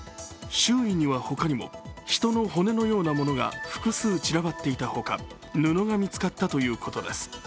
周囲には他にも、人の骨のようなものが複数散らばっていた他、布が見つかったということです。